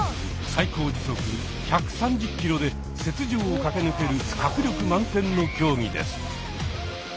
最高時速１３０キロで雪上を駆け抜ける迫力満点の競技です。